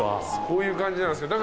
こういう感じなんすよ。